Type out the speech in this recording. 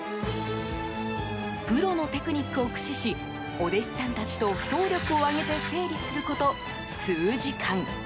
プロのテクニックを駆使しお弟子さんたちと総力を挙げて整理すること数時間。